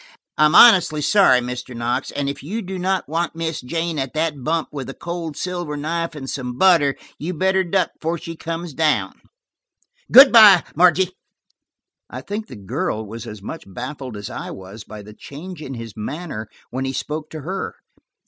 I'm honestly sorry, Mr. Knox, and if you do not want Miss Jane at that bump with a cold silver knife and some butter, you'd better duck before she comes down. Good by, Margie." I think the girl was as much baffled as I was by the change in his manner when he spoke to her.